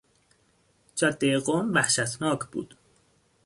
جادهی قم وحشتناک بود.